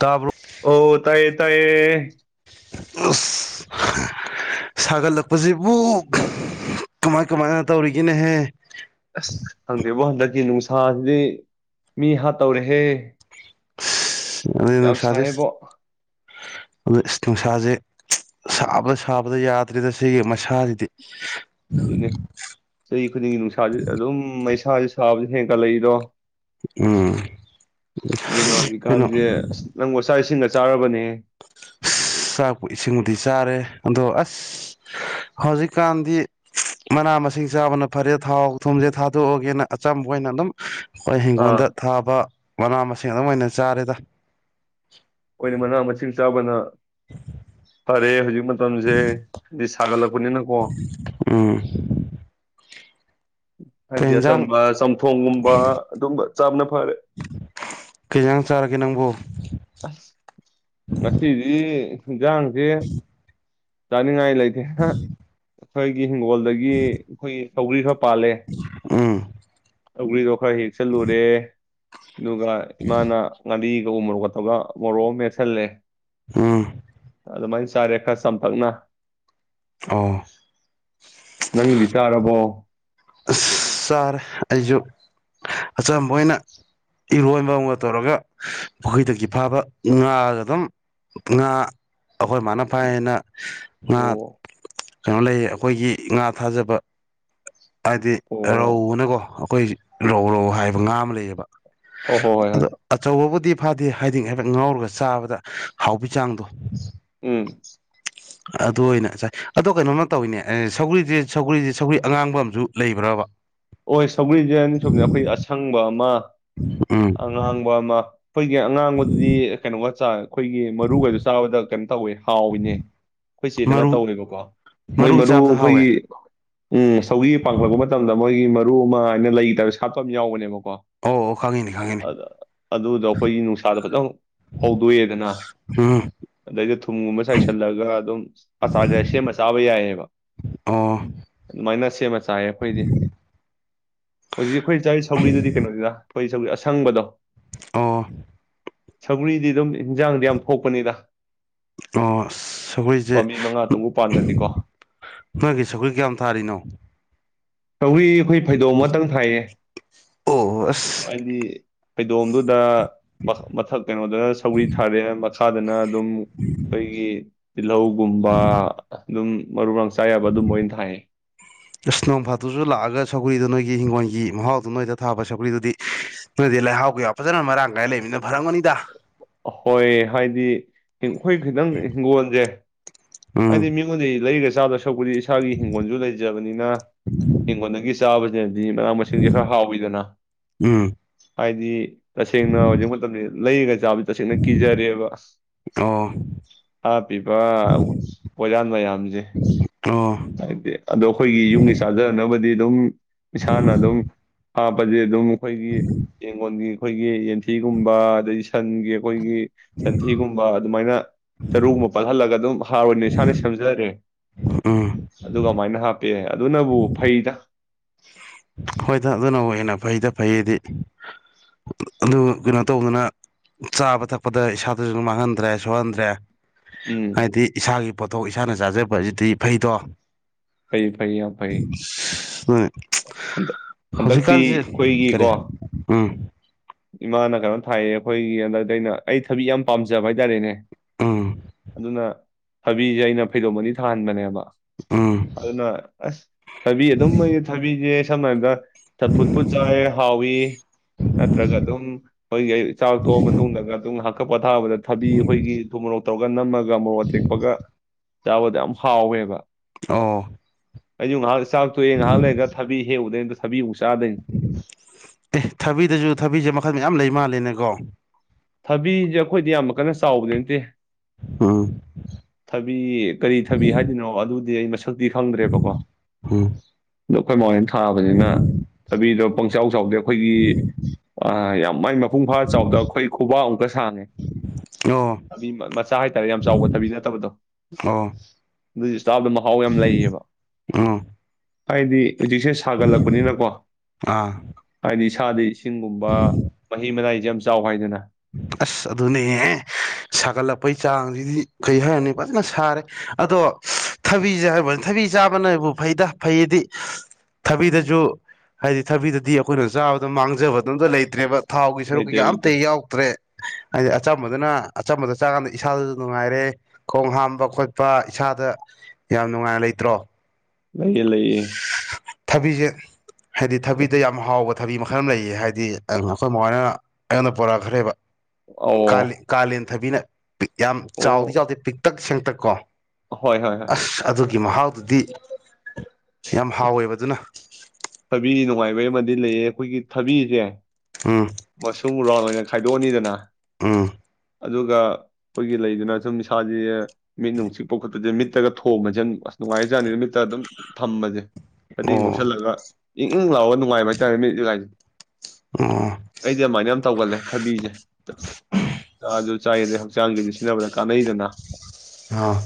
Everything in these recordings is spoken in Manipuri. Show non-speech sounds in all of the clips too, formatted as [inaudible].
ꯇꯥꯕꯔꯣ? ꯑꯣ ꯇꯌꯦ ꯇꯥꯏꯌꯦ꯫ ꯁꯥꯒꯠꯂꯛꯄꯖꯤꯕꯨ ꯀꯃꯥꯏ- ꯀꯃꯥꯏꯅ ꯇꯧꯔꯤꯒꯦꯅꯦꯍꯦ? ꯑꯁ ꯍꯪꯗꯦꯕꯣ ꯍꯟꯗꯛꯀꯤ ꯅꯨꯡꯁꯥ ꯁꯥꯁꯤꯗꯤ ꯃꯤ ꯍꯥꯠꯇꯧꯔꯍꯦ! ꯌꯥꯞ ꯁꯅꯦꯦꯕꯣ ꯑꯗꯨ ꯅꯨꯡꯁꯥꯁꯦ ꯁꯥꯕꯗ ꯁꯥꯕꯗ ꯌꯥꯗ꯭ꯔꯔꯤꯗ ꯁꯤꯒꯤ ꯃꯁꯥꯁꯤꯗꯤ ꯑꯗꯨ ꯆꯍꯤ ꯈꯨꯗꯤꯡꯒꯤ ꯅꯨꯡꯁꯥꯥꯁ ꯑꯗꯨꯝ ꯁꯥꯕ ꯍꯦꯡꯒꯥ ꯂꯩꯗꯣ ꯎꯝ ꯀꯩꯅꯣ ꯑꯗꯨꯅꯖꯤꯀꯥꯟꯁꯦ ꯅꯪꯕꯨ ꯉꯁꯥꯏꯁꯤꯡ ꯆꯥꯔꯕꯅꯦ ꯑ ꯆꯥꯛꯄ ꯏꯁꯤꯡꯕꯨꯗꯤ ꯆꯥꯔꯦ ꯑꯗꯣ ꯑꯁ ꯍꯧꯖꯤꯛꯀꯥꯟꯗꯤ ꯃꯅꯥ ꯃꯁꯤꯡ ꯆꯥꯕꯅ ꯐꯔꯦ ꯊꯥꯎ ꯊꯨꯝꯁꯦ ꯊꯥꯗꯣꯛꯑꯒꯦꯅ ꯑꯆꯝꯕ ꯑꯣꯏꯅ ꯑꯗꯨꯝ ꯑꯩꯈꯣꯏ ꯑꯥ ꯍꯤꯡꯒꯣꯜꯗ ꯊꯥꯕ ꯃꯅꯥ ꯃꯁꯤꯡ ꯑꯗꯨꯝ ꯑꯣꯏꯅ ꯆꯥꯔꯦꯗ ꯑꯩꯈꯣꯏꯅ ꯃꯅꯥ ꯃꯁꯤꯡ ꯆꯥꯕꯅ ꯐꯔꯦ ꯍꯧꯖꯤꯛ ꯃꯇꯝꯁꯦ ꯍꯥꯏꯗꯤ ꯁꯥꯒꯠꯂꯛꯄꯅꯤꯅꯀꯣ ꯎꯝ ꯀꯩ ꯍꯥꯏꯗꯤ ꯌꯦꯟꯖꯥꯡ ꯑꯆꯝꯕ ꯆꯝꯊꯣꯡꯒꯨꯝꯕ ꯑꯗꯨꯝꯕ ꯆꯥꯞꯅ ꯐꯔꯦ ꯀꯩ ꯌꯦꯟꯖꯥꯡ ꯆꯥꯔꯒꯦ ꯅꯪꯕꯨ ꯑꯁ ꯅꯈꯩꯗꯤ ꯗꯥ ꯍꯪꯁꯦ ꯆꯥꯅꯤꯡꯉꯥꯏ ꯂꯩꯇꯦ ꯑꯩꯈꯣꯏ ꯍꯤꯡꯒꯣꯜꯗꯒꯤ ꯑꯩꯈꯣꯏꯒꯤ ꯆꯧꯔꯤ ꯍꯞ ꯄꯥꯂꯦ ꯎꯝ ꯁꯣꯏꯒꯔ꯭ꯤꯗꯣ ꯈꯔ ꯍꯦꯛ ꯆꯠꯂꯨꯔꯦ ꯑꯗꯨꯒ ꯏꯃꯥꯅ ꯉꯥꯔꯤ ꯑ ꯎ ꯃꯣꯔꯣꯛ ꯀꯠꯇꯒ ꯃꯣꯔꯣꯛ ꯃꯦꯠꯁꯤꯜꯂꯦ ꯎꯝ ꯑꯗꯨꯃꯥꯏꯅ ꯆꯥꯔꯦ ꯆꯝꯄꯛꯅ ꯑꯣ ꯅꯪ ꯆꯥꯔꯔꯕꯣ ꯑꯁ ꯆꯥꯔꯦ ꯑꯩꯁꯨ ꯑꯆꯝꯕ ꯑꯣꯏꯅ ꯏꯔꯣꯟꯕ ꯑꯃꯒ ꯇꯧꯔꯒ ꯃꯈꯈꯣꯏꯗꯒꯤ ꯐꯥꯕ ꯉꯥꯒ ꯑꯗꯨꯝ ꯉꯥ ꯑꯩꯈꯣꯏ ꯃꯥꯅ ꯐꯥꯏ ꯍꯥꯏꯅ ꯉꯥ ꯑꯣ ꯀꯩꯅꯣ ꯂꯩ ꯑꯩꯈꯣꯏꯒꯤ ꯉꯥ ꯊꯥꯖꯕ ꯍꯥꯏꯗꯤ ꯑꯣ ꯔꯧꯅꯀꯣ ꯑꯩꯈꯣꯏ ꯔꯧ ꯔꯧ ꯍꯥꯏꯕ ꯉꯥ ꯑꯃ ꯂꯩꯌꯦꯕ ꯍꯣꯏ ꯍꯣꯏ ꯍꯣꯏ ꯍꯣꯏ ꯑꯗꯣ ꯑꯆꯥ ꯋꯥꯕꯨꯗꯤ ꯐꯗꯦ ꯍꯥꯏꯗꯤꯡ ꯍꯥꯏꯐꯦ ꯉꯥꯎꯔꯒ ꯆꯥꯕꯗ ꯍꯥꯎꯕꯤ ꯆꯥꯡꯗꯣ ꯎꯝ ꯑꯗꯨ ꯑꯣꯏꯅ ꯉꯁꯥꯏ ꯑꯗꯣ ꯀꯩꯅꯣꯅ ꯇꯧꯋꯤꯅꯦ ꯑꯦ ꯁꯧꯒ꯭ꯔꯤꯁꯦ ꯁꯒꯔꯤꯁꯦ ꯁꯧꯒ꯭ꯔꯤ ꯑꯉꯥꯡꯕ ꯑꯃ ꯨ ꯂꯩꯕ꯭ꯔꯕ ꯍ ꯁꯧꯔꯤꯖꯟ ꯁꯣꯝꯅ ꯑꯩꯈꯣꯏ ꯑꯁꯪꯕ ꯑꯃ ꯎꯝ ꯑꯉꯥꯡꯕ ꯑꯃ꯫ ꯎ꯫ ꯑꯩꯈꯣꯏꯒꯤ ꯑꯉꯥꯡꯕꯗꯨꯗꯤ ꯀꯩꯅꯣꯒ ꯆꯥ꯫ ꯑꯩꯈꯣꯏꯒꯤ ꯃꯔꯨꯈꯩꯗꯣ ꯆꯥꯕꯗ ꯀꯩꯝ꯫ ꯇꯧꯋꯦ ꯍꯥꯎꯋꯤꯅꯦ ꯑꯩꯈꯣꯏ ꯆꯦꯗꯒꯥ ꯃꯔꯨ ꯇꯧꯋꯦꯕꯀꯣ꯫ ꯃꯣꯏ ꯃꯔꯨ ꯆꯥꯕꯗ ꯍꯥꯎꯋꯦ ꯑꯩꯈꯣꯏꯒꯤ꯫ ꯎꯝ ꯁꯧꯒꯤ ꯄꯥꯡꯈꯠꯂꯛꯄ ꯃꯇꯝꯗ꯫ ꯃꯣꯏꯒꯤ ꯃꯔꯨ ꯑꯃ ꯍꯥꯏꯅ ꯂꯩ ꯒꯤ ꯇꯥꯏꯄꯇꯥ ꯁꯥꯠꯄ ꯑꯃ ꯌꯥꯎꯕꯅꯦꯕꯀꯣ꯫ ꯑꯣ ꯑꯣ ꯈꯪꯉꯤꯅꯦ ꯈꯪꯉꯤꯅꯦ ꯑꯗꯨꯗꯣ ꯑꯩꯈꯣꯏꯒꯤ ꯅꯨꯡꯁꯥꯗ ꯐꯖꯅ ꯍꯧꯗꯣꯛꯑꯗꯅ ꯎꯝ ꯑꯗꯩꯗ ꯊꯨꯝꯒꯨꯝꯕ ꯆꯥꯏꯁꯤꯜꯂꯒ ꯑꯗꯨꯝ ꯑꯆꯥꯔꯁꯦ ꯁꯦꯝꯃ ꯆꯥꯕ ꯌꯥꯏꯑꯕ ꯑꯣ ꯑꯗꯨꯃꯥꯏꯅ꯫ ꯁꯦꯝꯃ ꯆꯥ꯫ ꯆꯥꯏ ꯑꯩꯈꯣꯏꯗꯤ꯫ ꯍꯧꯖꯤꯛ ꯑꯩꯈꯣꯏ ꯆꯥꯔꯤ ꯁꯧꯒꯔꯤꯗꯨꯗꯤ ꯀꯩꯅꯣꯅꯤꯗ꯫ ꯍꯣꯏ ꯁꯧꯒꯔ꯭ꯤ ꯑꯁꯪꯕꯗꯣ꯫ ꯑꯣ꯫ ꯁꯧꯒꯔ꯭ꯤꯗꯤ ꯑꯗꯨꯝ ꯍꯦꯟꯖꯥꯡꯗꯤ ꯌꯥꯝ ꯊꯣꯛꯄꯅꯤꯗ꯫ ꯑꯣ ꯁꯧꯒꯔ꯭ꯤꯁꯦ ꯄꯥꯝꯕꯤ ꯃꯉꯥ ꯇꯔꯨꯛ ꯄꯥꯟꯒꯗꯤꯀꯣ ꯅꯣꯏꯒꯤ ꯁꯧꯒꯔ꯭ꯤ ꯀꯌꯥꯝ ꯊꯥꯔꯤꯅꯣ꯫ ꯁꯧꯒ꯭ꯔꯤ ꯑꯩꯈꯣꯏ ꯐꯩꯗꯣꯝ ꯑꯃꯇꯪ ꯊꯥꯏꯌꯦ꯫ ꯑꯣ꯫ ꯑꯁ ꯍꯥꯏꯗꯤ ꯐꯩꯗꯣꯝꯗꯨꯗ ꯃꯊꯛ ꯀꯩꯅꯣꯗꯅ ꯁꯧꯔꯤ ꯊꯥꯔꯦ ꯃꯈꯥꯗꯅ ꯑꯗꯨꯝ ꯑꯩꯈꯣꯏꯒꯤ ꯇꯤꯜꯂꯧꯒꯨꯝꯕ ꯑꯗꯨꯝ꯫ ꯃꯔꯨ ꯃꯔꯥꯡ ꯫ ꯏꯁ ꯅꯣꯡ ꯐꯗꯣꯛꯁꯨ ꯂꯥꯛꯑꯒ ꯁꯧꯒꯔ꯭ꯤꯗꯣ ꯅꯣꯏꯒꯤ꯫ ꯍꯤꯡꯒꯣꯜꯒꯤ ꯃꯍꯥꯎꯗꯨꯣ ꯅꯣꯏꯗ ꯊꯥꯕ ꯁꯄ꯭ꯔꯤꯗꯨꯗꯤ ꯅꯣꯏꯗꯤ ꯂꯩꯍꯥꯎ ꯀꯌꯥ ꯐꯖꯅ ꯃꯔꯥꯡ ꯀꯥꯏꯅ ꯂꯩꯕꯃꯤꯅ ꯐꯔꯝꯒꯅꯤꯗ꯫ ꯍꯣꯏ ꯍꯥꯏꯗꯤ ꯑꯩꯈꯣꯏ ꯈꯤꯇꯪ ꯍꯤꯡꯒꯣꯣꯟꯁꯦ ꯎꯝ ꯍꯥꯏꯗꯤ ꯃꯤꯉꯣꯟꯗ ꯂꯩꯔꯁꯤ꯫ ꯆꯗꯥ꯫ ꯁꯛꯄꯨꯗꯤ ꯏꯁꯥꯒꯤ ꯍꯤꯡꯒꯣꯜꯁꯨ ꯂꯩꯖꯕꯅꯤꯅ ꯍꯤꯡꯈꯣꯜꯗꯒꯤ ꯆꯥꯕꯁꯤ꯫ ꯑꯗꯨꯗꯤ ꯃꯅꯥ ꯃꯁꯤꯡꯁꯦ ꯈꯔ ꯍꯥꯎꯋꯤꯗꯅ ꯎꯝ ꯍꯥꯏꯗꯤ꯫ ꯏ꯫ ꯇꯁꯦꯡꯅ ꯍꯧꯖꯤꯛ ꯃꯇꯝꯗ ꯂꯩꯒ ꯆꯥꯕ꯫ ꯅ ꯀꯤꯖꯔꯦꯕ ꯑꯣ ꯍꯥ ꯄꯤꯕ ꯄꯣꯏꯌꯥꯟ ꯃꯌꯥꯝꯁꯦ ꯑꯣ ꯍꯥꯏꯗꯤ ꯑꯗꯣ ꯑꯩꯈꯣꯏꯒꯤ ꯌꯨꯝꯒꯤ ꯆꯥꯖꯅꯕ꯫ ꯗꯤ ꯑꯗꯨꯝ [inaudible] ꯏꯁꯥꯅ ꯑꯗꯨꯝ꯫ ꯍꯥꯥꯄꯗꯤ ꯑꯗꯨꯝ꯫ ꯑꯩꯈꯣꯏꯒꯤ ꯌꯦꯡꯒꯣꯟꯒꯤ ꯑꯩꯈꯣꯏꯒꯤ ꯌꯦꯟꯊꯤꯒꯨꯝꯕ ꯑꯗꯩ ꯁꯟꯒꯤ ꯑꯈꯣꯏꯒꯤ ꯁꯟꯊꯤꯒꯨꯝꯕ ꯑꯗꯨꯃꯥꯏꯅ ꯆꯥꯔꯨ ꯑꯃ ꯄꯠꯍꯜꯂꯒ ꯑꯗꯨꯝ ꯍꯥ ꯑꫭꯏꯅ ꯏꯁꯥꯅ ꯁꯦꯝꯖꯥꯔꯦ ꯎꯝ ꯑꯗꯨꯒ ꯑꯃꯥꯏꯅ ꯍꯥꯞ ꯍꯥꯞꯄꯩ ꯑꯗꯨꯅꯕꯨ ꯐꯩꯗ ꯍꯣꯏꯗ ꯑꯗꯨꯅꯕꯨ ꯍꯦꯟꯅ ꯐꯩꯗ ꯐꯩꯌꯦꯗꯤ ꯑꯗꯨ ꯀꯩꯅꯣ ꯇꯧꯗꯅ ꯆꯥꯕ ꯊꯛꯄꯗ ꯏꯁꯥꯗꯁꯨ ꯃꯥꯡꯍꯟꯗ꯭ꯔꯦ ꯁꯣꯛꯍꯟꯗ꯭ꯔꯦ ꯎꯝ ꯍꯥꯏꯗꯤ ꯏꯁꯥꯒꯤ ꯄꯣꯊꯣꯛ ꯏꯁꯥꯅ ꯆꯥꯖꯕ ꯑꯖꯤꯗꯤ ꯐꯩꯗꯣ [inaudible] ꯐꯩ ꯐꯩ ꯌꯥꯝ [unintelligible] ꯍꯟꯗ ꯍꯟꯗꯛꯇꯤ ꯍꯧꯖꯤꯛꯀꯥꯟꯁꯦ ꯑꯈꯣꯏꯒꯤꯀꯣ ꯀꯔꯤ ꯎꯝ ꯏꯃꯥꯅ ꯀꯩꯅꯣ ꯊꯥꯏꯌꯦ ꯑꯩꯈꯣꯏꯒꯤ ꯍꯟꯗꯛꯇꯤ ꯑꯩꯅ ꯑꯩ ꯊꯕꯤ ꯌꯥꯝ ꯄꯥꯝꯖꯕ ꯍꯥꯏꯇꯥꯔꯦꯅꯦ ꯎꯝ ꯑꯗꯨꯅ ꯊꯕꯤꯖꯦ ꯑꯩꯅ ꯐꯩꯗꯣꯝ ꯑꯥꯅꯤ ꯊꯥꯍꯟꯕꯅꯦꯕ ꯎꯝ ꯑꯗꯨꯅ ꯑꯁ ꯊꯕꯤ ꯑꯗꯨꯝ ꯊꯕꯤꯖꯦ ꯁꯝꯅ ꯍꯥꯏꯕꯗ ꯆꯝ ꯐꯨꯠꯄꯨ ꯆꯥꯏ ꯍꯧꯋꯤ ꯅꯠꯇ꯭ꯔꯒ ꯑꯗꯨꯝ ꯑꯩꯈꯣꯏꯒꯤ ꯆꯥꯛꯊꯣꯛꯑ ꯃꯇꯨꯡꯗꯒ ꯑꯗꯨꯝ ꯉꯌꯥꯛ [unintelligible] ꯊꯥꯕꯗ ꯊꯕꯤ ꯑꯩꯈꯣꯏꯒꯤ ꯊꯨꯝꯃꯣꯔꯣꯛ ꯇꯧꯒꯅ ꯑꯃ ꯒꯥ ꯃꫭꯔꫭꯛ ꯑꯇꯦꯄꯒ ꯆꯥꯕꯗ ꯌꯥꯝ ꯍꯥꯎꯋꯦꯕ ꯑꯣ ꯑꯩꯖꯨ ꯉ ꯆꯥꯛꯇꯣꯛꯑꯦ ꯉꯥꯏꯍꯥꯛ ꯂꯩꯔꯒ ꯊꯕꯤ ꯍꯦꯛꯎꯕꯗꯩ ꯊꯥꯕꯤ ꯑꯃꯨꯛ ꯆꯥꯗꯣꯏꯅꯤ [unintelligible] ꯑꯦ ꯊꯕꯤꯗꯖꯨ ꯊꯕꯤꯖꯦ ꯃꯈ ꯃꯈꯜ ꯃꯌꯥꯝ ꯂꯩ ꯃꯥꯜꯂꯦꯅꯦꯀꯣ ꯊꯕꯤꯖꯦ ꯑꯩꯈꯣꯏꯗꯤ ꯌꯥꯝ ꯀꯟꯅ ꯆꯥꯎꯕꯗꯤ ꯅꯠꯇꯦ ꯎꯝ ꯊꯕꯤ ꯀꯔꯤ ꯊꯕꯤ ꯍꯥꯏꯗꯣꯏꯅꯣ ꯑꯗꯨꯗꯤ ꯑꯩ ꯁꯛꯇꯤ ꯈꯪꯗ꯭ꯔꯦꯕꯀꯣ ꯎꯝ ꯑꯗꯣ ꯑꯩꯈꯣꯏ ꯃꯥ ꯍꯣꯏ ꯅ ꯊꯥꯕꯅꯤꯅ ꯊꯕꯤꯗꯣ ꯄꯪꯆꯥꯎ ꯆꯥꯎꯗꯦ ꯑꯩꯈꯣꯏꯒꯤ ꯌꯥꯝ ꯃꯥꯏ ꯃꯄꯨꯡ ꯐꯥ ꯆꯥꯎꯗ ꯑꯩꯈꯣꯏ ꯈꯨꯕꯥꯛ ꯑꯃꯨꯛꯀ ꯁꯥꯡꯉꯦ, ꯑꯣ ꯊꯕꯤ ꯃꯆꯥ ꯍꯥꯏꯇꯥꯔꯦ ꯌꯥꯝ ꯆꯥꯎꯕ ꯊꯕꯤ ꯅꯠꯇꯕꯗꯣ ꯑꯣ ꯑꯗꯨꯒꯤ ꯆꯥꯕꯥꯗ ꯃꯍꯥꯎ ꯌꯥꯝ ꯂꯩꯌꯦꯕ꯫ ꯎꯝ ꯍꯥꯏꯗꯤ ꯍꯧꯖꯤꯛꯁꯦ ꯁꯥꯒꯠꯂꯛꯄꯅꯤꯅꯀꯣ ꯑꯥ ꯍꯥꯏꯗꯤ ꯁꯥꯗꯤ ꯁꯤꯡꯒꯨꯝꯕ ꯃꯍꯤ ꯃꯅꯥꯏ ꯌꯥꯝ ꯆꯥꯎ ꯍꯥꯏꯗꯨꯅ꯫ ꯑꯁ ꯑꯗꯨꯅꯦ꯫ ꯁꯥꯒꯠꯂꯛꯄꯩ ꯆꯥꯡꯁꯤꯗꯤ ꯀꯩ ꯍꯥꯏꯔꯅꯤ ꯐꯖꯅ ꯁꯥꯔꯦ ꯑꯗꯣ ꯊꯕꯤꯁꯦ ꯍꯥꯏꯕꯅꯤ ꯊꯕꯤ ꯆꯥꯕꯅꯕꯨ ꯐꯩꯗ ꯐꯩꯗꯤ ꯊꯕꯤꯗꯖꯤ ꯍꯥꯏꯗꯤ ꯊꯕꯤꯗꯗꯤ ꯑꯩꯈꯣꯏꯅ ꯆꯥꯕꯗ ꯃꯥꯡꯖꯕꯗ ꯑꯝꯇ ꯂꯩꯇ꯭ꯔꯦꯕ꯫ ꯊꯥꯎꯒꯤ ꯁꯔꯨꯛ ꯂꯩꯇꯦ ꯀꯩꯀ ꯑꯝꯇꯥ ꯂꯩꯇꯦ ꯌꯥꯎ ꯍꯥꯏꯗꯤ ꯑꯆꯝꯕꯗꯨꯅ ꯑꯆꯝꯕꯗ ꯆꯥꯀꯥꯟꯗ ꯏꯁꯥꯗꯁꯨ ꯅꯨꯡꯉꯥꯏꯔꯦ ꯈꯣꯡ ꯍꯥꯝꯕ ꯈꯣꯠꯄ ꯏꯁꯥꯗ ꯌꯥꯝ ꯅꯨꯡꯉꯥꯏꯅ ꯂꯩꯇ꯭ꯔꯣ? [inaudible] ꯊꯕꯤꯖꯦ ꯍꯥꯏꯗꯤ ꯑꯦ ꯊꯕꯤꯗ ꯌꯥꯝ ꯍꯥꯎꯕ ꯊꯥꯕꯤ ꯃꯈꯜ ꯑꯃ ꯂꯩꯌꯦ ꯍꯥꯏꯗꯤ ꯑꯩꯈꯣꯏ ꯃꯥ ꯍꯤ ꯑꯩꯉꯣꯟꯗ ꯄꯣꯔꯛ ꯈꯔꯦꯕ ꯑꯣ ꯀꯥꯂꯦꯟ - ꯀꯥꯂꯦꯟ ꯊꯕꯤꯅ ꯌꯥꯝ ꯑꯣ ꯆꯥꯎꯗꯤ ꯆꯥꯎꯗꯦ ꯄꯤꯛꯇꯛ ꯁꯦꯡ ꯄꯨꯠꯇꯀꯣ꯫ ꯍꯣꯏ ꯍꯣꯏ ꯍꯣꯏ ꯑꯦ, ꯑꯁ ꯑꯗꯨ ꯒꯤ ꯃꯍꯥꯎꯗꯨꯗꯤ ꯌꯥꯝ ꯍꯥꯎꯋꯦꯕ ꯑꯗꯨꯅ꯫ ꯊꯕꯤ ꯅꯨꯡꯉꯥꯏꯕꯩ ꯑꯃꯗꯤ ꯂꯩꯌꯦ ꯑꯩꯈꯣꯏꯒꯤ ꯊꯕꯤꯁꯦ ꯑꯝ꯫ ꯃꯁꯨꯡ ꯔꯥꯎꯟ ꯑꯣꯏꯅ ꯈꯥꯏꯗꯣꯛꯑꯅꯤꯗꯅ ꯑꯥ꯫ ꯑꯗꯨꯒ ꯑꯩꯈꯣꯏꯒꯤ ꯂꯩꯗꯨꯅ ꯁꯨꯝ ꯏꯁꯥꯁꯦ ꯃꯤꯠ ꯅꯨꯡꯁꯤꯛꯄ ꯈꯣꯠꯄꯁꯦ ꯃꯤꯠꯇꯒ ꯊꯣꯡꯝꯕꯖꯦ ꯑꯁ ꯅꯨꯡꯉꯥꯏ ꯖꯥꯠꯅꯤꯗ ꯃꯤꯠꯇ ꯑꯗꯨꯝ ꯊꯝꯕꯖꯦ ꯫ ꯐꯗꯤꯅ ꯑꯣ ꯀꯨꯞꯁꯜꯂꯒ꯫ ꯏꯪ - ꯏꯪ ꯂꯥꯛꯑꯣ ꯅꯨꯡꯉꯥꯏꯕ ꯍꯥꯏꯇꯥꯔꯦ ꯃꯤꯠ ꯀꯥꯁꯤ ꯑꯣ ꯑꯩꯗꯤ ꯑꯗꯨꯃꯥꯏꯅ ꯌꯥꯝ ꯇꯧꯒꯜꯂꯦ ꯊꯕꯤꯖꯦ ꯆꯥꯔꯁꯨ ꯆꯥꯏꯗꯩ ꯍꯛꯆꯥꯡꯒꯤꯗꯤ ꯁꯤꯖꯤꯟꯅꯕꯗ ꯀꯥꯟꯅꯩꯗꯅ꯫ ꯑ꯫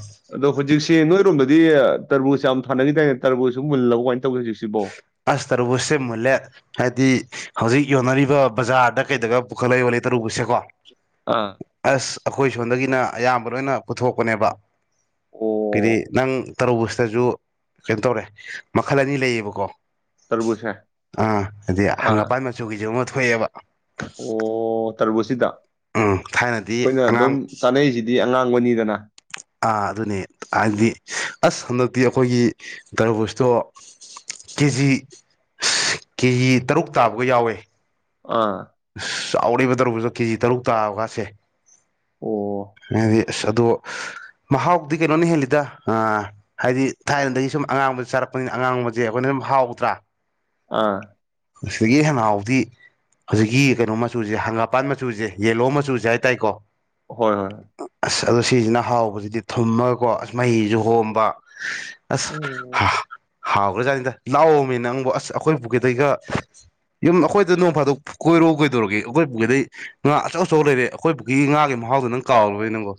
ꯍꯧꯖꯤꯛꯁꯤ ꯅꯣꯏꯔꯣꯝꯗꯗꯤ ꯇꯔꯕꯨꯖ ꯌꯥꯝ ꯊꯥꯅꯒꯤ ꯗꯥꯏꯅꯦ ꯇꯔꯕꯨꯖ ꯃꯨꯜꯂꯕꯤ ꯀꯃꯥꯏ ꯇꯧꯔꯤꯒꯦ ꯍꯧꯖꯤꯛꯁꯤꯕꯣ? ꯑꯁ ꯇꯔꯕꯨꯁ ꯃꯨꯜꯂꯦ ꯍꯥꯏꯗꯤ ꯍꯧꯖꯤꯛ ꯌꯣꯟꯅꯔꯤꯕ ꯕꯖꯥꯔꯗ ꯀꯩꯗꯒ ꯄꯨꯈꯠꯂ ꯌꯣꯜꯂꯦ ꯇꯔꯕꯨꯁꯁꯦꯀꯣ ꯑꯥ ꯑꯁ ꯑꯩꯈꯣꯏ ꯁꯣꯝꯗꯒꯤꯅ ꯑꯌꯥꯝꯕ ꯂꯣꯏꯅ ꯄꯨꯊꯣꯛꯄꯅꯦꯕ ꯀꯗꯤ ꯑꯣ ꯅꯪ ꯇꯔꯕꯨꯁꯇꯁꯨ ꯀꯩꯅꯣ ꯇꯧꯔꯦ ꯃꯈꯜ ꯑꯅꯤ ꯂꯩꯌꯦꯕꯀꯣ ꯇꯔꯕꯨꯖꯁꯦ ꯑ ꯍꯥꯏꯗꯤ ꯑꯥ ꯍꯪꯒꯄꯥꯟ ꯃꯆꯨꯒꯤꯁꯨ ꯑꯃ ꯊꯣꯛ ꯊꯣꯛꯑꯦꯕ ꯑꯣ ꯇꯔꯕꯨꯨꯁꯁꯤꯗ ꯎꯝ ꯊꯥꯏꯅꯗꯤ ꯑꯩꯈꯣꯏꯅ ꯑꯗꯨꯝ ꯑꯉꯥꯡ ꯆꯥꯅꯩꯁꯤꯗꯤ ꯑꯉꯥꯡꯕꯅꯤꯗꯅ ꯑꯥ ꯑꯗꯨꯅꯦ ꯍꯥꯏꯕꯗꯤ ꯑꯁ ꯍꯟꯗꯛꯇꯤ ꯑꯩꯈꯣꯏꯒꯤ ꯇꯔꯕꯨꯁꯇꯣ ꯀꯦꯖꯤ ꯀꯦꯖꯤ ꯇꯔꯨꯛ ꯇꯥꯕꯒ ꯌꯥꯎꯋꯦ ꯑꯥ ꯆꯥꯎꯔꯦꯕ ꯇꯔꯕꯨꯁ ꯀꯦꯖꯤ ꯇꯔꯨꯛ ꯇꯥꯕꯀꯥꯁꯦ ꯑꯣ ꯑꯗꯤ ꯑꯁ ꯑꯗꯣ ꯃꯍꯥꯎꯗꯤ ꯀꯩꯅꯣꯅ ꯍꯦꯜꯂꯤꯗ ꯑ ꯍꯥꯏꯗꯤ ꯊꯥꯏꯅꯗꯩ ꯁꯨꯝ ꯑꯉꯥꯡꯕꯁꯦ ꯆꯥꯔꯛꯄꯅꯤꯅ ꯑꯉꯥꯡꯕꯁꯦ ꯑꯩꯈꯣꯏꯅ ꯑꯗꯨꯝ ꯍꯥꯎꯇꯔꯥ ꯑꯥ ꯑꯁꯤꯗꯒꯤ ꯍꯦꯟꯅ ꯍꯥꯎꯕꯗꯤ ꯍꯧꯖꯤꯛꯀꯤ ꯀꯩꯅꯣ ꯃꯆꯨꯁꯦ ꯍꯪꯒꯥꯄꯥꯟ ꯃꯆꯨꯁꯦ ꯌꯦꯂꯣ ꯃꯆꯨꯁꯦ ꯍꯥꯏ ꯇꯔꯦꯀꯣ ꯍꯣꯏ ꯍꯣꯏ ꯑꯗꯣ ꯁꯤꯁꯤꯅ ꯍꯥꯎꯕꯁꯤꯗꯤ ꯊꯨꯝꯃꯒꯀꯣ ꯑꯁ ꯃꯍꯤꯁꯨ ꯍꯣꯝꯕ ꯑꯁ ꯎꯝ ꯍꯥꯎꯈ꯭ꯔꯥꯖꯥꯠꯅꯤꯗ ꯂꯥꯛꯑꯣꯃꯤ ꯅꯪꯕꯨ ꯑꯁ ꯑꯩꯈꯣꯏ ꯄꯨꯈ꯭ꯔꯤꯗꯩꯒ ꯌꯨꯝ ꯑꯩꯈꯣꯏꯗ ꯅꯣꯡ ꯐꯥꯗꯣꯛ ꯀꯣꯏꯔꯛ ꯀꯣꯏꯗꯧꯔꯒꯦ ꯑꯩꯈꯣꯏ ꯄꯨꯈ꯭ꯔꯤꯗꯩ ꯉꯥ ꯑꯆꯧ ꯑꯆꯧ ꯂꯩꯔꯦ ꯑꯩꯈꯣꯏ ꯄꯨꯈ꯭ꯔꯤꯒꯤ ꯉꯥꯒꯤ ꯃꯍꯥꯎꯗꯣ ꯅꯪ ꯀꯥꯎ [inaudible] ꯅꯪꯕꯣ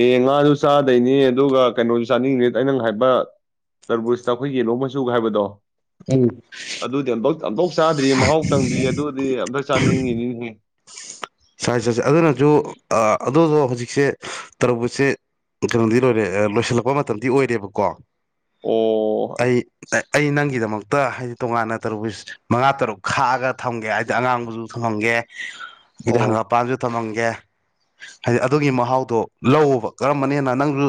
ꯑꯦ ꯉꯥꯁꯨ ꯆꯥꯗꯩꯅꯦ ꯑꯗꯨꯒ ꯀꯩꯅꯣꯁꯨ ꯆꯥꯅꯤꯡꯉꯤꯅꯤ ꯑꯩ ꯅꯪ ꯍꯥꯏꯕ ꯇꯔꯕꯨꯁꯇ ꯑꯩꯈꯣꯏ ꯌꯦꯂꯣ ꯃꯆꯨꯒ ꯍꯥꯏꯕꯗꯣ ꯎꯝ ꯑꯗꯨꯗꯤ ꯑꯝꯕꯧ ꯑꯝꯕꯧ ꯆꯥꯗ꯭ꯔꯤ ꯃꯍꯥꯎ ꯇꯪꯗ꯭ꯔꯤ ꯑꯗꯨꯗꯤ ꯑꯝꯇ ꯆꯥꯅꯤꯡꯉꯤ ꯅꯤꯅꯦꯍꯦ ꯁꯥꯏꯖ ꯆꯠ [inaudible] ꯑꯗꯨꯅꯁꯨ ꯑꯗꯨꯗꯣ ꯍꯧꯖꯤꯛꯁꯦ ꯇꯔꯕꯨꯁꯁꯦ ꯀꯩꯅꯣꯗꯤ ꯂꯣꯏꯔꯦ ꯂꯣꯏꯁꯤꯜꯂꯛꯄ ꯃꯇꯝꯗꯤ ꯑꯣꯏꯔꯦꯕꯀꯣ ꯑꯣ ꯑꯩ ꯑꯩ ꯅꯪꯒꯤꯗꯃꯛꯇ ꯍꯥꯏꯗꯤ ꯇꯣꯉꯥꯟꯅ ꯇꯔꯕꯨꯁ ꯃꯉꯥ ꯇꯔꯨꯛ ꯈꯥꯛꯑꯒ ꯊꯝꯒꯦ ꯍꯥꯏꯗꯤ ꯑꯉꯥꯡꯕꯁꯨ ꯊꯝꯃꯝꯒꯦ ꯀꯗꯤ ꯑꯣ ꯍꯪꯒꯥꯄꯝꯁꯨ ꯊꯝꯒ ꯒꯦ ꯍꯥꯏꯗꯤ ꯑꯗꯨꯒꯤ ꯃꯍꯥꯎꯗꯣ ꯂꯧꯑꯣꯕ ꯀꯔꯝꯕꯅꯤ ꯍꯦꯟꯅ ꯅꯪꯁꯨ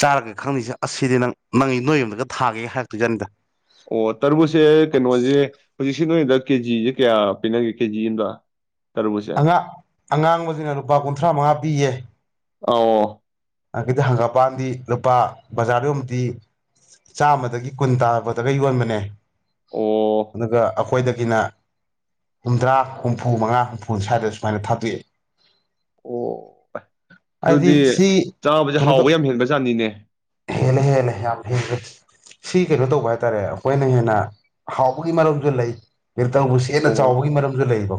ꯆꯥꯔꯒꯦ ꯈꯪꯅꯤꯁꯦ ꯑꯁꯤꯗꯤ ꯅꯪ ꯅꯪ ꯅꯣꯏ ꯌꯨꯝꯗꯒ ꯊꯥꯒꯦ ꯍꯥꯏꯔꯛꯇꯣꯏ ꯖꯥꯠꯅꯤꯗ ꯑꯣ ꯇꯔꯕꯨꯁꯁꯦ ꯀꯩꯅꯣꯁꯦ ꯍꯧꯖꯤꯛꯁꯤ ꯅꯣꯏꯗ ꯀꯦꯖꯤꯁꯦ ꯀꯌꯥ ꯄꯤꯅꯒꯦ ꯀꯦꯖꯤ ꯑꯃꯗ ꯇꯔꯕꯨꯁꯁꯦ ꯑꯉꯥꯡ ꯑꯉꯥꯡꯕꯁꯤꯅ ꯂꯨꯄꯥ ꯀꯨꯟꯊ꯭ꯔꯥ ꯃꯉꯥ ꯄꯤꯌꯦ ꯑ ꯑꯣ ꯑꯗꯒꯤ ꯍꯪꯒꯄꯥꯟꯗꯤ ꯂꯨꯄꯥ ꯕꯖꯥꯔꯗ ꯌꯣꯟꯕꯗꯤ ꯆꯥꯝꯃꯗꯒꯤ ꯀꯨꯟ ꯇꯥꯕꯗꯒ ꯌꯣꯟꯕꯅꯦ ꯑꯣ ꯑꯗꯨꯒ ꯑꯩꯈꯣꯏꯗꯒꯤꯅ ꯍꯨꯝꯗ꯭ꯔꯥ ꯍꯨꯝꯐꯨ ꯃꯉꯥ ꯍꯨꯝꯐꯨ ꯁ꯭ꯋꯥꯏꯗ ꯁꯨꯃꯥꯏꯅ ꯊꯥꯗꯣꯛꯑꯦ ꯑꯣ ꯑꯗꯨꯗꯤ ꯍꯥꯏꯗꯤ ꯁꯤ ꯆꯥꯕꯁꯦ ꯀꯩꯅꯣ ꯍꯥꯎꯕ ꯇꯧ ꯌꯥꯝ ꯍꯦꯟꯕ ꯖꯥꯠꯅꯤꯅꯦ ꯍꯦꯜꯂꯦ ꯍꯦꯜꯂꯦ ꯌꯥꯝ ꯍꯦꯟꯂꯦ ꯁꯤ ꯀꯩꯅꯣ ꯇꯧꯕ ꯍꯥꯏꯇꯥꯔꯦ ꯑꯩꯈꯣꯏꯅ ꯍꯦꯟꯅ ꯍꯥꯎꯕꯒꯤ ꯃꯔꯝꯖꯨ ꯂꯩ [unintelligible] ꯍꯦꯟꯅ ꯑꯣ ꯆꯥꯎꯕꯒꯤ ꯃꯥꯔꯝꯖꯨ ꯂꯩꯌꯦꯕ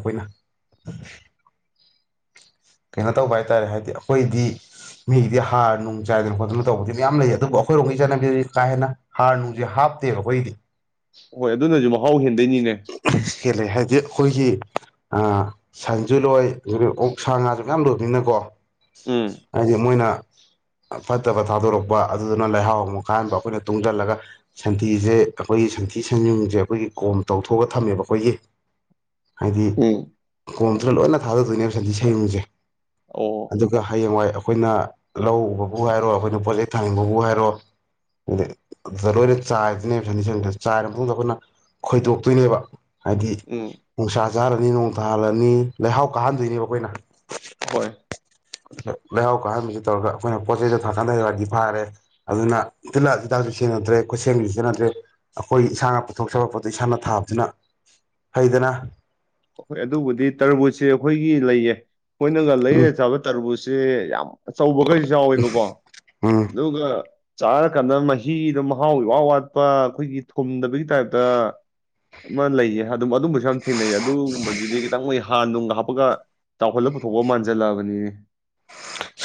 ꯀꯩꯅꯣ ꯇꯧꯕ ꯍꯥꯏꯇꯥꯔꯦ ꯍꯥꯏꯗꯤ ꯑꯈꯣꯏꯗꯤ ꯃꯤꯒꯤꯗꯤ ꯍꯥꯔ ꯅꯨꯡ ꯆꯥꯏꯗꯅ ꯈꯣꯠꯇꯅ ꯇꯧꯕꯗꯤ ꯃꯥꯌꯥꯝ ꯂꯩ ꯑꯗꯨꯕꯨ ꯑꯩꯈꯣꯏꯔꯣꯝꯒꯤ ꯆꯠꯅꯕꯤꯗꯤ ꯀꯥ ꯍꯦꯟꯅ ꯍꯥꯔ ꯅꯨꯡꯖꯩ ꯍꯥꯞꯇꯦꯕ ꯑꯩꯈꯣꯏꯒꯤꯗꯤ ꯍꯣꯏ ꯑꯗꯨꯅꯖꯨ ꯃꯍꯥꯎ ꯍꯦꯟ [unintelligible] ꯍꯦꯜꯂꯦ ꯍꯥꯏꯗꯤ ꯑꯈꯣꯏꯒꯤ ꯁꯟꯖꯨꯂꯣꯏ ꯑꯣꯛ ꯁꯥ ꯉꯥꯁꯨ ꯃꯌꯥꯝ ꯂꯣꯏꯕꯅꯤꯅꯀꯣ ꯎꯝ ꯍꯥꯏꯗꯤ ꯃꯣꯏꯅ ꯐꯠꯇꯕ ꯊꯥꯗꯣꯔꯛꯄ ꯑꯗꯨꯗꯨꯅ ꯂꯩꯍꯥꯎ ꯑꯃꯨꯛ ꯀꯥꯟꯕ ꯑꯩꯈꯣꯏꯅ ꯇꯨꯡꯖꯜꯂꯒ ꯁꯟꯊꯤꯖꯦ ꯑꯩꯈꯣꯏꯒꯤ ꯁꯟꯊꯤ ꯁꯟꯖꯨꯡꯖꯦ ꯑꯩꯈꯣꯏꯒꯤ ꯀꯣꯝ ꯇꯧꯊꯣꯛꯑꯒ ꯊꯝꯃꯦꯕ ꯑꯈꯣꯏꯒꯤ ꯍꯥꯏꯗꯤ ꯎꯝ ꯀꯣꯝꯗꯨꯗ ꯂꯣꯏꯅ ꯊꯥꯂꯗꯣꯏꯅꯦꯕ ꯁꯟꯗꯤ ꯁꯦꯡꯌꯨꯡ ꯖꯦ ꯑꯣ ꯍꯌꯦꯡꯋꯥꯏ ꯑꯩꯈꯣꯏꯅ ꯂꯧ ꯎꯕꯕꯨ ꯍꯥꯏꯔꯣ ꯑꯈꯣꯏꯅ ꯄꯣꯠꯆꯩ ꯊꯥꯅꯤꯡꯕꯕꯨ ꯍꯥꯏꯔꯣ ꯑ ꯑꯗꯨꯗ ꯂꯣꯏꯅ ꯆꯥꯏꯗꯨꯅꯦꯕ ꯁꯟꯊꯤ ꯁꯟꯌꯨꯛꯖꯦ ꯆꯥꯏꯔ ꯃꯇꯨꯡꯗ ꯑꯈꯣꯏꯅ ꯈꯣꯏꯗꯣꯛꯇꯨꯅꯦꯕ ꯍꯥꯏꯗꯤ ꯎꯝ ꯅꯨꯡꯁꯥ ꯖꯔꯅꯤ ꯅꯣꯡꯊꯥꯍꯜꯂꯅꯤ ꯂꯩꯍꯥꯎ ꯀꯥꯍꯟꯗꯣꯏꯅꯦꯕ ꯑꯈꯣꯏꯅ ꯍꯣꯏ ꯂꯩꯍꯥꯎ ꯀꯥꯍꯟꯕꯖꯤ ꯇꯧꯔꯒ ꯑꯈꯣꯏꯅ ꯄꯣꯠ ꯆꯩꯗꫭ ꯊꯥꯛꯀꯥꯟꯗ ꯋꯥꯗꯤ ꯐꯥꯔꯦ ꯑꯗꯨꯅ ꯇꯤꯜꯍꯥꯛ ꯍꯤꯗꯥꯛꯁꯨ ꯁꯤꯖꯤꯟꯅꯗ꯭ꯔꯦ ꯈꯨꯠꯁꯦꯝꯒꯤꯖꯨ ꯁꯤꯖꯤꯟꯅꯗ꯭ꯔꯦ ꯑꯈꯣꯏꯒꯤ ꯏꯁꯥꯅ ꯄꯨꯊꯣꯛꯆꯕ ꯄꯣꯠꯇꯨ ꯏꯁꯥꯅ ꯊꯥꯕꯗꯨꯅ ꯐꯩꯗꯅ ꯍꫭꯏ ꯑꯗꯨꯕꯨꯗꯤ ꯇꯔꯕꯨꯠꯁꯦ ꯑꯈꯣꯏꯒꯤ ꯂꯩꯌꯦ ꯃꯣꯏꯅꯒ ꯂꯩꯔꯦ ꯎꯝ ꯆꯥꯕ ꯇꯥꯔꯕꯨꯁ ꯁꯦ ꯌꯥꯝ ꯑꯆꯧꯕꯒꯩ ꯌꯥꯎꯋꯦꯕꯀꯣ ꯎꯝ ꯑꯗꯨꯒ ꯆꯥꯔꯀꯥꯟꯗ ꯃꯍꯤꯗꯣ ꯃꯍꯥꯎ ꯏꯋꯥꯠ ꯋꯥꯠꯄ ꯑꯩꯈꯣꯏꯒꯤ ꯊꯨꯝꯗꯕꯒꯤ ꯇꯥꯏꯞꯇ ꯑꯃ ꯂꯩꯌꯦ ꯑꯗꯨꯝ ꯑꯗꯨꯝꯕꯁꯨ ꯌꯥꯝ ꯊꯦꯡꯅꯩꯌꯦ ꯑꯗꯨ ꯨ [unintelligible] ꯕꯖꯤꯗꯤ ꯈꯤꯇꯪ ꯃꯣꯏ ꯍꯥ ꯅꯨꯡꯒ ꯍꯥꯞꯄꯒ ꯆꯥꯎꯍꯜꯂꯒ ꯄꯨꯊꯣꯛꯄ ꯃꯥꯟꯖꯜꯂꯛꯑꯕꯅꯤ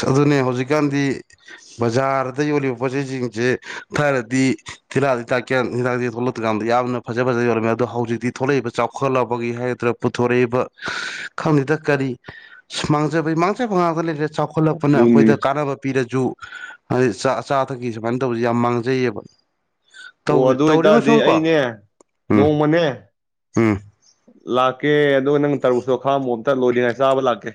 ꯑꯗꯨꯅꯦ ꯍꯧꯖꯤꯛꯀꯥꯟꯗꯤ ꯕꯖꯥꯔꯗ ꯌꯣꯜꯂꯤꯕ ꯄꯣꯠꯆꯩꯖꯤꯡꯖꯦ ꯊꯥꯏꯅꯗꯤ ꯊꯤꯜꯍꯥꯠ ꯍꯤꯗꯥꯛꯁꯦ ꯊꯣꯛꯂꯛꯇ꯭ꯔꯤꯀꯥꯟꯗ ꯌꯥꯝꯅ ꯐꯖ ꯐꯖꯕ ꯌꯣꯜꯂꯝꯃꯦ ꯑꯗꯣ ꯍꯧꯖꯤꯛꯇꯤ ꯊꯣꯛꯂꯛꯏꯕ ꯆꯥꯎꯈꯠꯂꯛꯕꯒꯤ ꯍꯥꯏꯒꯗ꯭ꯔꯥ ꯄꯨꯊꯣꯔꯛꯏꯕ ꯈꯪꯗꯦꯗ ꯀꯔꯤ ꯃꯥꯡꯖꯕꯒꯤ ꯃꯥꯡꯖꯕ ꯉꯥꯛꯇ ꯂꯩ ꯆꯥꯎꯈꯠꯂꯛꯄꯅ ꯑꯗꯨꯅꯤꯅꯦ ꯑꯩꯈꯣꯏꯗ ꯀꯥꯟꯅꯕ ꯄꯤꯔꯖꯨ ꯍꯥꯏꯗꯤ ꯆꯥ ꯑꯆꯥ ꯑꯊꯛꯀꯤ ꯁꯨꯃꯥꯏꯅ ꯇꯧꯕꯁꯦ ꯌꯥꯝ ꯃꯥꯡꯖꯩꯌꯦꯕ ꯑꯣ ꯇꯧ ꯑꯗꯨ ꯇꯧꯔꯤꯉꯣ ꯑꯣꯏꯇꯥꯔꯗꯤ ꯁꯨꯝ ꯀꯣ ꯑꯩꯅꯦ ꯎꯝ ꯅꯣꯡꯃꯅꯦ ꯎꯝ ꯂꯥꯛꯀꯦ ꯑꯗꯨꯒ ꯅꯪ ꯇꯔꯕꯨꯁꯇꫭ ꯈꯥꯛꯑꯝꯄꫭ ꯑꯝꯇ ꯂꯣꯏꯗ꯭ꯔꯤꯉꯩ ꯆꯥꯕ ꯂꯥꯛꯀꯦ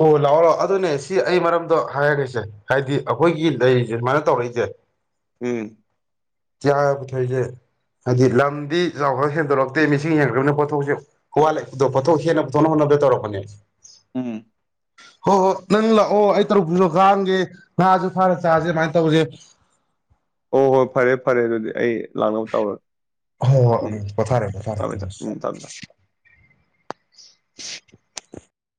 ꯑꯣ ꯂꯥꯛꯑꯣ ꯂꯥꯛꯑꯣ ꯑꯗꯨꯅꯦ ꯁꯤ ꯑꯩ ꯃꯔꯝꯗꯣ ꯍꯥꯏꯔꯒꯁꯦ ꯍꯥꯏꯗꯤ ꯑꯈꯣꯏꯒꯤ ꯂꯩꯔꯤꯁꯦ ꯁꯨꯃꯥꯏꯅ ꯇꯧꯔꯛꯏꯖꯦ ꯎꯝ ꯀꯤꯌꯥ ꯄꯨꯊꯣꯛꯏꯁꯦ ꯍꯥꯏꯗꯤ ꯂꯝꯗꯤ ꯆꯥꯎꯈꯠ ꯍꯦꯟꯗꯣꯔꯂꯛꯇꯦ ꯃꯤꯁꯤꯡ ꯍꯦꯟꯒꯠꯃꯤꯅ ꯄꯣꯊꯣꯛꯁꯦ [unintelligible] ꯄꯣꯊꯣꯛ ꯍꯦꯟꯅ ꯄꯨꯊꯣꯛꯅꯕ ꯍꯣꯠꯅꯕꯗ ꯇꯧꯔꯛꯄꯅꯦ ꯎꯝ ꯍꯣꯏ ꯍꯣꯏ ꯅꯪ ꯂꯥꯛꯑꯣ ꯑꯩ ꯇꯔꯕꯨꯁꯇꯥ ꯈꯥꯡ ꯑꯝꯒꯦ ꯉꯖꯨ ꯐꯥꯔ ꯆꯥꯁꯦ ꯑꯗꯨꯃꯥꯏꯅ ꯇꯧꯁꯦ ꯑꯣ ꯍꯣꯏ ꯐꯔꯦ ꯐꯔꯦ ꯑꯗꯨꯗꯤ ꯑꯩ ꯂꯥꯡꯅꯕ ꯇꯥꯎꯔꯒꯦ ꯍꯣꯏ ꯍꯣꯏ ꯎꯝ ꯄꯣꯊꯥꯔꯦ ꯄꯣꯊꯥꯔꯦ ꯊꯝꯃꯦ ꯊꯝꯃꯦ ꯊꯝꯃꯁꯤ ꯎꯝ ꯊꯝꯃꯦ ꯊꯝꯃꯦ [inaudible]